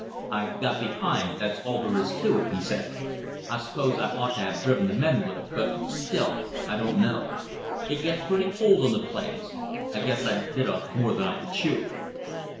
"I got behind; that's all there is to it," he said. "I s'pose I ought to have driven the men a little; but still, I don't know. It gets pretty cold on the plains. I guess I bit off more than I could chew."